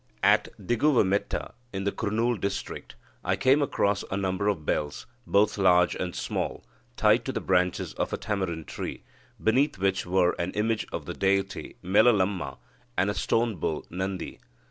At Diguvemetta in the Kurnool district, I came across a number of bells, both large and small, tied to the branches of a tamarind tree, beneath which were an image of the deity Malalamma, and a stone bull (Nandi).